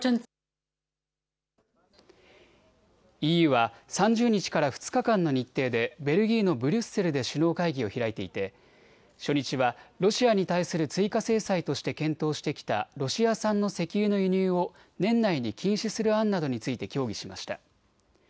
ＥＵは３０日から２日間の日程でベルギーのブリュッセルで首脳会議を開いていて初日はロシアに対する追加制裁として検討してきたロシア産の石油の輸入を年内に禁止する案などについて協議しました。